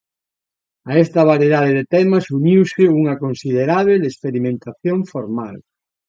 A esta variedade de temas uniuse unha considerábel experimentación formal.